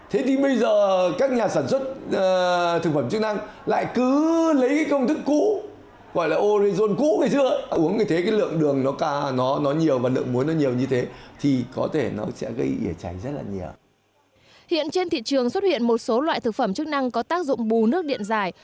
hiện trên thị trường xuất hiện một số loại thực phẩm chức năng có tác dụng bù nước điện dài